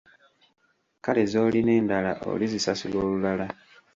Kale z'olina endala olizisasula olulala.